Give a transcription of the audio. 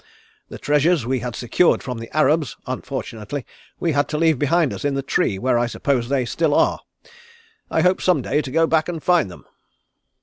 The treasures we had secured from the Arabs, unfortunately, we had to leave behind us in the tree, where I suppose they still are. I hope some day to go back and find them."